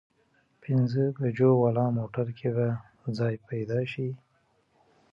پينځه بجو واله ګاډي کې به ځای مېلاو شي؟